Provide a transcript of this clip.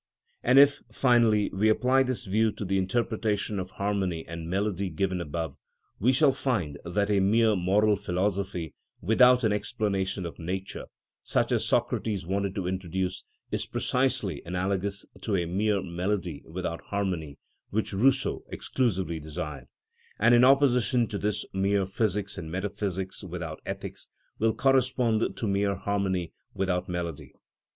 And if, finally, we apply this view to the interpretation of harmony and melody given above, we shall find that a mere moral philosophy without an explanation of Nature, such as Socrates wanted to introduce, is precisely analogous to a mere melody without harmony, which Rousseau exclusively desired; and, in opposition to this mere physics and metaphysics without ethics, will correspond to mere harmony without melody.